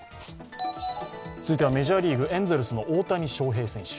続いてはメジャーリーグエンゼルスの大谷翔平選手。